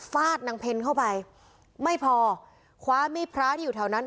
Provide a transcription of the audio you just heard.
ฟาดนางเพ็ญเข้าไปไม่พอคว้ามีดพระที่อยู่แถวนั้น